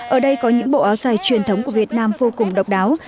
ở đây có những bộ áo dài truyền thống của việt nam vô cùng độc đáo